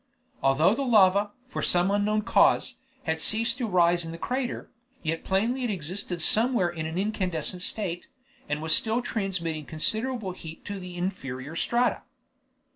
Although the lava, from some unknown cause, had ceased to rise in the crater, yet plainly it existed somewhere in an incandescent state, and was still transmitting considerable heat to inferior strata.